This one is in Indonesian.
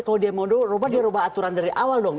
kalau dia mau rubah dia rubah aturan dari awal dong